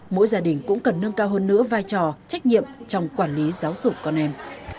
mỗi gia đình cũng cần nâng cao hơn nữa vai trò trách nhiệm trong quản lý giáo dục con em